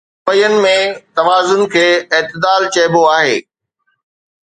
روين ۾ توازن کي اعتدال چئبو آهي.